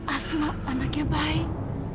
asma anaknya baik